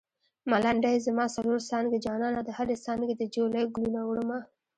ملنډۍ: زما څلور څانګې جانانه د هرې څانګې دې جولۍ ګلونه وړمه